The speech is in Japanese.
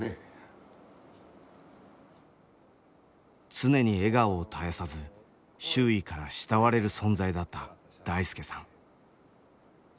常に笑顔を絶やさず周囲から慕われる存在だった大輔さん。